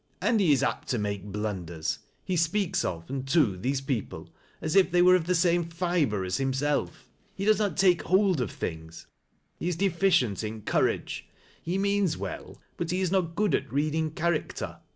" And he is apt to make blun ders. He speaks of, and to, these people as if they were of the same fiber as himself. He does not take hold of •iiings. He is deficient in courage. He means well, but he is not good at reading character.